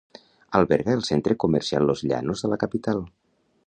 Alberga el Centre Comercial Los Llanos de la capital.